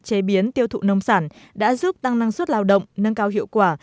chế biến tiêu thụ nông sản đã giúp tăng năng suất lao động nâng cao hiệu quả